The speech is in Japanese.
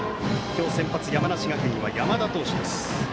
今日の先発、山梨学院は山田投手です。